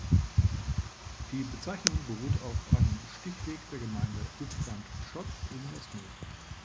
Die Bezeichnung beruht auf einem Stichweg der Gemeinde Upgant-Schott in das Moor.